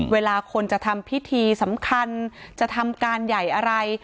เวลาคนจะทำพิธีสำคัญจะทำการใหญ่อะไร